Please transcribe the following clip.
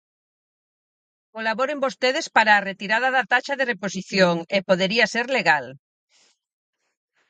Colaboren vostedes para a retirada da taxa de reposición e podería ser legal.